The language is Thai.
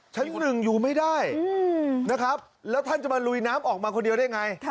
ชั้นหนึ่งอยู่ไม่ได้นะครับแล้วท่านจะมาลุยน้ำออกมาคนเดียวได้ไง